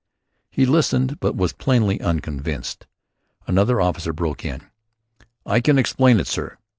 He listened but was plainly unconvinced. Another officer broke in: "I can explain it, sir.